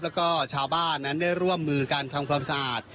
แล้วก็ชาวบ้านนั้นได้ร่วมมือการทำความสะอาด